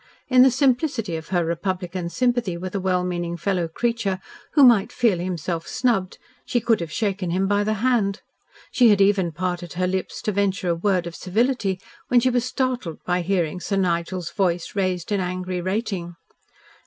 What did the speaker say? In the simplicity of her republican sympathy with a well meaning fellow creature who might feel himself snubbed, she could have shaken him by the hand. She had even parted her lips to venture a word of civility when she was startled by hearing Sir Nigel's voice raised in angry rating.